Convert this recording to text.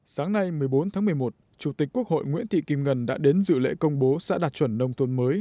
sáng nay một mươi bốn tháng một mươi một chủ tịch quốc hội nguyễn thị kim ngân đã đến dự lễ công bố xã đạt chuẩn nông thôn mới